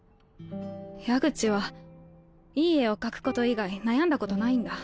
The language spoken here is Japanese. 矢口はいい絵を描くこと以外悩んだことないんだ？